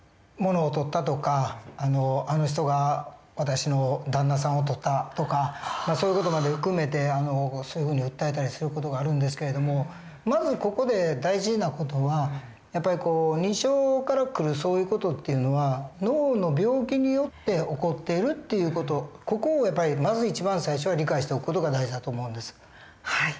物をとったとかあの人が私の旦那さんをとったとかそういう事まで含めてそういうふうに訴えたりする事があるんですけれどもまずここで大事な事はやっぱり日常から来るそういう事っていうのは脳の病気によって起こっているという事ここをやっぱりまず一番最初は理解しておく事が大事だと思うんです。